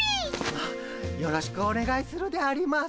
あよろしくお願いするであります。